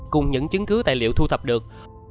cùng những chứng cứ tài liệu thu thập được